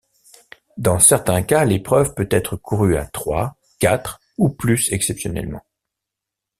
Dans certains cas, l'épreuve peut être courue à trois, quatre ou plus exceptionnellement.